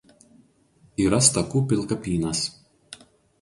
Yra Stakų pilkapynas.